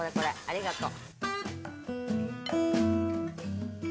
ありがと。